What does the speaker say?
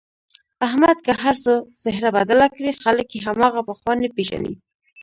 احمد که هرڅو څهره بدله کړي خلک یې هماغه پخوانی پېژني.